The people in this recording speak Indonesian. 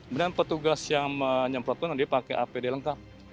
kemudian petugas yang menyemprot pun dia pakai apd lengkap